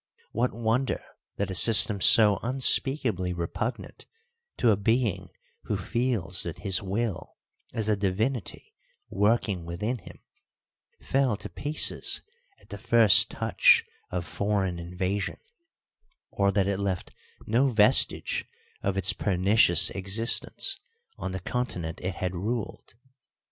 What wonder that a system so unspeakably repugnant to a being who feels that his will is a divinity working within him fell to pieces at the first touch of foreign invasion, or that it left no vestige of its pernicious existence on the continent it had ruled!